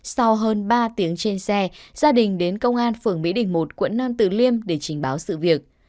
sau hơn ba tiếng trên xe gia đình đến công an phường mỹ đình i quận năm từ liêm để trình báo sự việc